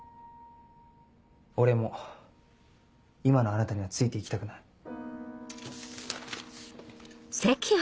俺も今のあなたにはついて行きたくない。